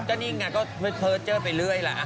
ก็นี่ไงก็เพอร์เจอร์ไปเรื่อยล่ะ